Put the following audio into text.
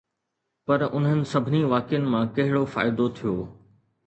پر انهن سڀني واقعن مان ڪهڙو فائدو ٿيو؟